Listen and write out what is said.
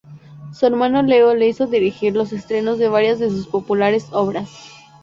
Su hermano Leo le hizo dirigir los estrenos de varias de sus populares obras.